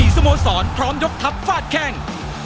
๑๔สโมสรพร้อมยกทับฝ้าดแค่ง